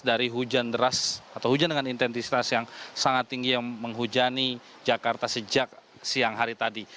dari hujan deras atau hujan dengan intensitas yang sangat tinggi yang menghujani jakarta sejak siang hari tadi